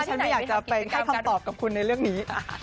ฉันไม่อยากจะไปให้คำตอบกับคุณในเรื่องนี้